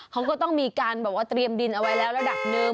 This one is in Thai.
เขาก็ต้องมีการแบบว่าเตรียมดินเอาไว้แล้วระดับหนึ่ง